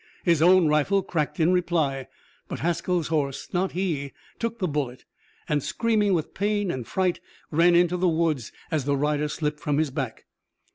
His own rifle cracked in reply, but Haskell's horse, not he, took the bullet, and, screaming with pain and fright, ran into the woods as the rider slipped from his back.